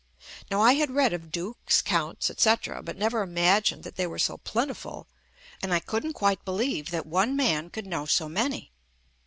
Now I had read of dukes, counts, etc., but never imagined that they were so plentiful, and I couldn't quite believe that one man could know so many.